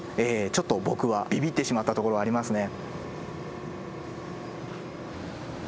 ちょっと僕はビビってしまったところはありますね。